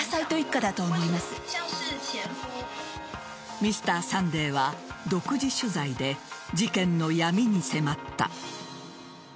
「Ｍｒ．サンデー」は独自取材で事件の闇に迫った。